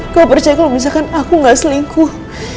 kamu percaya kalau misalkan aku nggak selingkuh